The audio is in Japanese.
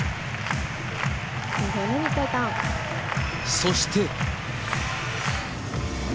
そして。